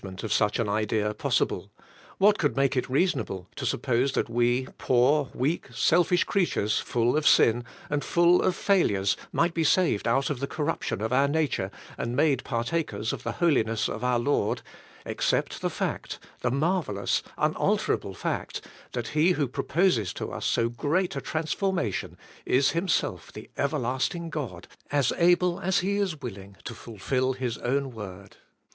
49 ment of such an idea possible — what could make it reasonable to suppose that we poor, weak, selfish creatures full of sin and full of failures might be saved out of the corruption of our nature and made partak ers of the holiness of our Lord — except the fact, the marvellous, unalterable fact that He who proposes to us so great a transformation is Himself the everlast ing God, as able as He is willing to fulfil His own word.